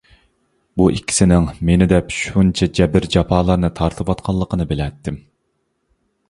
بۇ ئىككىسىنىڭ مېنى دەپ شۇنچە جەبىر-جاپالارنى تارتىۋاتقانلىقىنى بىلەتتىم.